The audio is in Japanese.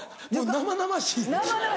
生々しい。